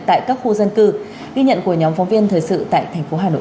tại các khu dân cư ghi nhận của nhóm phóng viên thời sự tại thành phố hà nội